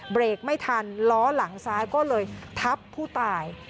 เบรกไม่ทันล้อหลังซ้ายก็เลยทับผู้ตาย